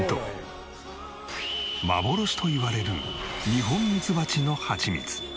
幻といわれるニホンミツバチのハチミツ。